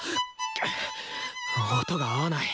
くっ音が合わない！